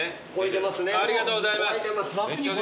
ありがとうございます。